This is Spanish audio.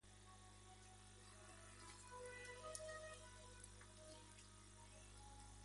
Las sales minerales disueltas en agua siempre están disueltas.